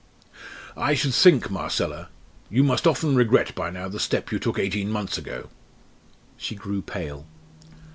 "I should think, Marcella, you must often regret by now the step you took eighteen months ago!" She grew pale.